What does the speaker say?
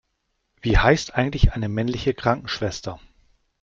Wie heißt eigentlich eine männliche Krankenschwester?